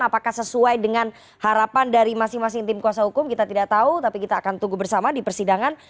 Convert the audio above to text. apakah sesuai dengan harapan dari masing masing tim kuasa hukum kita tidak tahu tapi kita akan tunggu bersama di persidangan